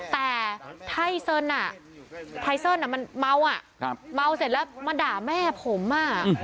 แต่ไทเซินอ่ะไทเซิลมันเมาอ่ะเมาเสร็จแล้วมาด่าแม่ผมอ่ะ